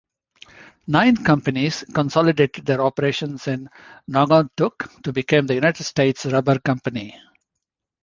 Nine companies consolidated their operations in Naugatuck to become the United States Rubber Company.